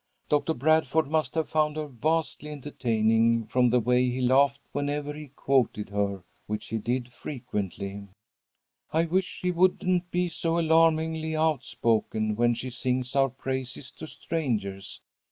Doctor Bradford must have found her vastly entertaining from the way he laughed whenever he quoted her, which he did frequently. "I wish she wouldn't be so alarmingly outspoken when she sings our praises to strangers.